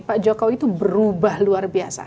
pak jokowi itu berubah luar biasa